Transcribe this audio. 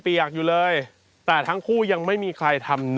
ไม่มีที่ทิ้งใช่ไหมคะ